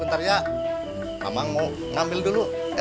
mereka bukan maling mereka